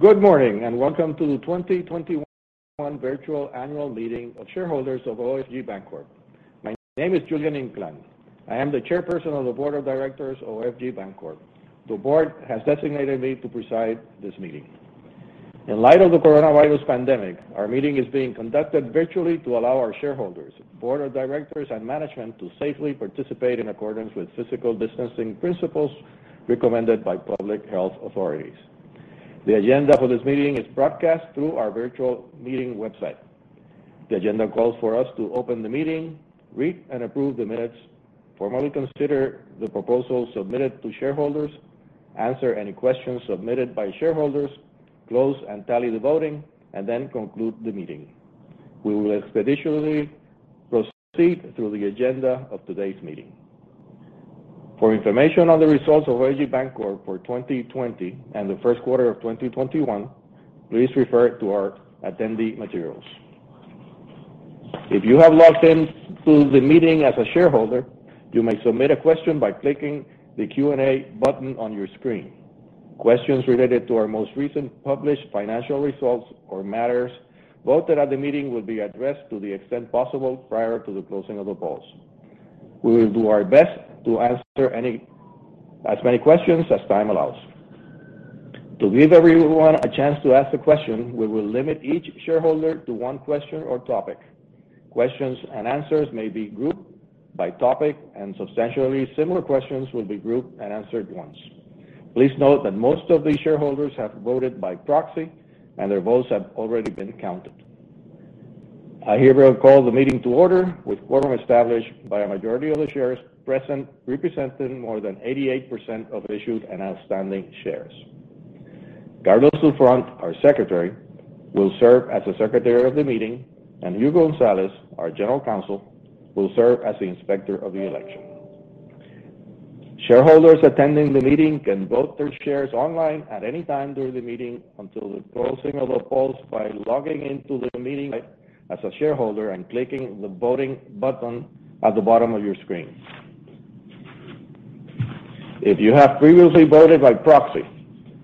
Good morning. Welcome to the 2021 virtual annual meeting of shareholders of OFG Bancorp. My name is Julian Inclán. I am the Chairperson of the Board of Directors, OFG Bancorp. The board has designated me to preside this meeting. In light of the coronavirus pandemic, our meeting is being conducted virtually to allow our shareholders, board of directors, and management to safely participate in accordance with physical distancing principles recommended by public health authorities. The agenda for this meeting is broadcast through our virtual meeting website. The agenda calls for us to open the meeting, read and approve the minutes, formally consider the proposals submitted to shareholders, answer any questions submitted by shareholders, close and tally the voting, and then conclude the meeting. We will expeditiously proceed through the agenda of today's meeting. For information on the results of OFG Bancorp for 2020 and the first quarter of 2021, please refer to our attendee materials. If you have logged into the meeting as a shareholder, you may submit a question by clicking the Q&A button on your screen. Questions related to our most recent published financial results or matters voted at the meeting will be addressed to the extent possible prior to the closing of the polls. We will do our best to answer as many questions as time allows. To give everyone a chance to ask a question, we will limit each shareholder to one question or topic. Questions and answers may be grouped by topic, and substantially similar questions will be grouped and answered once. Please note that most of the shareholders have voted by proxy, and their votes have already been counted. I hereby call the meeting to order with a quorum established by a majority of the shares present, representing more than 88% of issued and outstanding shares. Carlos Souffront, our Secretary, will serve as the Secretary of the meeting, and Hugh González, our General Counsel, will serve as the inspector of the election. Shareholders attending the meeting can vote their shares online at any time during the meeting until the closing of the polls by logging into the meeting as a shareholder and clicking the voting button at the bottom of your screen. If you have previously voted by proxy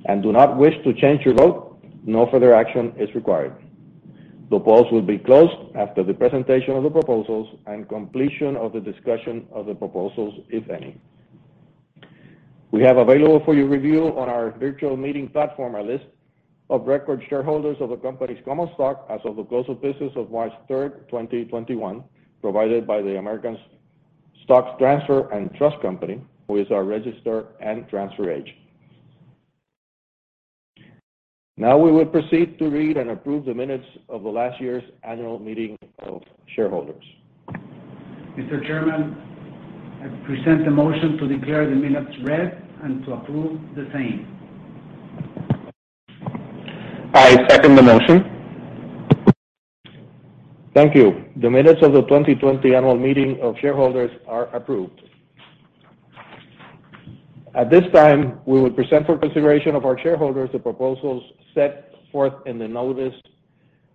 and do not wish to change your vote, no further action is required. The polls will be closed after the presentation of the proposals and completion of the discussion of the proposals, if any. We have available for your review on our virtual meeting platform, a list of record shareholders of the company's common stock as of the close of business on March 3rd, 2021, provided by the American Stock Transfer & Trust Company, who is our registrar and transfer agent. We will proceed to read and approve the minutes of last year's annual meeting of shareholders. Mr. Chairman, I present a motion to declare the minutes read and to approve the same. I second the motion. Thank you. The minutes of the 2020 annual meeting of shareholders are approved. At this time, we will present for the consideration of our shareholders the proposals set forth in the notice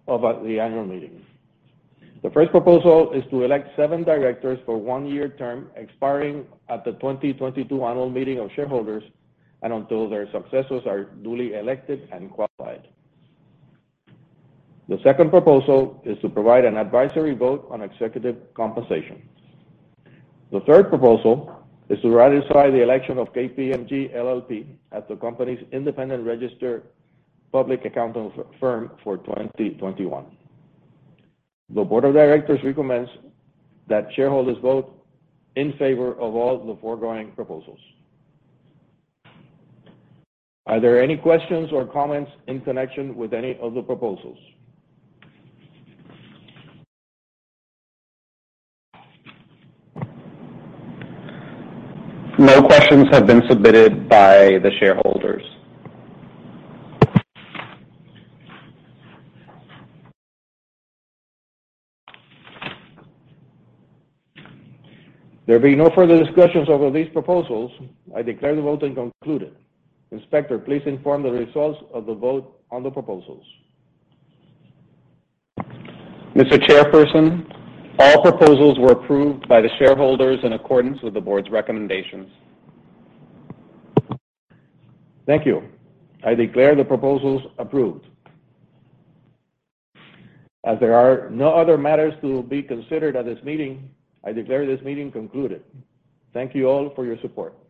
of the annual meeting. The first proposal is to elect seven directors for a one-year term expiring at the 2022 annual meeting of shareholders and until their successors are duly elected and qualified. The second proposal is to provide an advisory vote on executive compensation. The third proposal is to ratify the election of KPMG LLP as the company's independent registered public accounting firm for 2021. The board of directors recommends that shareholders vote in favor of all the foregoing proposals. Are there any questions or comments in connection with any of the proposals? No questions have been submitted by the shareholders. There being no further discussions over these proposals, I declare the voting concluded. Inspector, please inform the results of the vote on the proposals. Mr. Chairperson, all proposals were approved by the shareholders in accordance with the Board's recommendations. Thank you. I declare the proposals approved. As there are no other matters to be considered at this meeting, I declare this meeting concluded. Thank you all for your support.